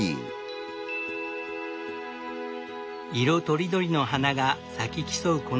色とりどりの花が咲き競う